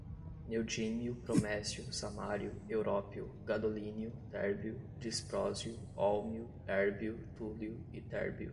neodímio, promécio, samário, európio, gadolínio, térbio, disprósio, hólmio, érbio, túlio, itérbio